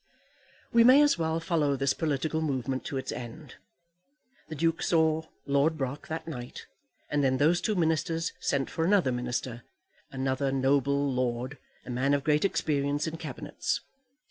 We may as well follow this political movement to its end. The Duke saw Lord Brock that night, and then those two ministers sent for another minister, another noble Lord, a man of great experience in Cabinets.